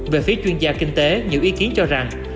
về phía chuyên gia kinh tế nhiều ý kiến cho rằng